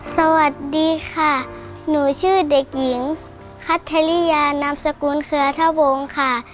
สวัสดีค่ะหนูชื่อเด็กหญิงคัทธริยานามสกุลเครือทะวงค่ะ